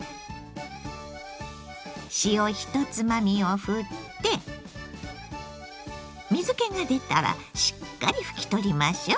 塩１つまみをふって水けが出たらしっかり拭き取りましょ。